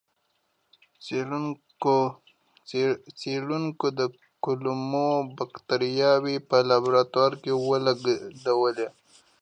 څېړونکي د کولمو بکتریاوې په لابراتوار کې ولېږدولې.